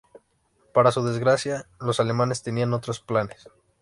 Para su desgracia, los alemanes tenían otros planes.